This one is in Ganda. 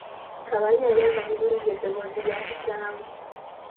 Kabali yali amanyi bulungi eddoboozi lya kitawe.